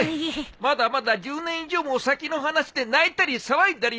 まだまだ１０年以上も先の話で泣いたり騒いだりするな！